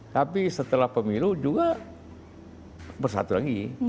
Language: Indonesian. tapi setelah pemilu juga bersatu lagi